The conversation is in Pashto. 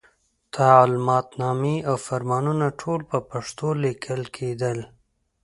تعلماتنامې او فرمانونه ټول په پښتو لیکل کېدل.